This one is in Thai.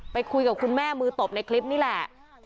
ไปคุยกับคุณแม่มือตบในคลิปนี่แหละ